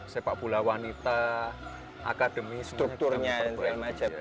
sepak bola wanita akademi strukturnya dan segala macam